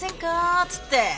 っつって。